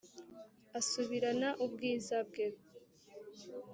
asubirana ubwiza bwe,